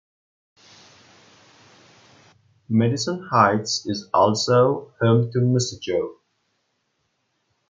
Madison Heights is also home to Moosejaw.